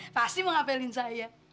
pasti mengapelin saya